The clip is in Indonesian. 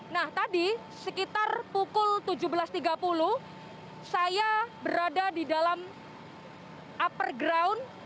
nah tadi sekitar pukul tujuh belas tiga puluh saya berada di dalam upper ground